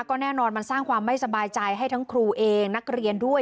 ก็แน่นอนมันสร้างความไม่สบายใจให้ทั้งครูเองนักเรียนด้วย